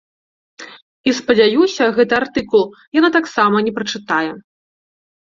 І спадзяюся, гэты артыкул яна таксама не прачытае.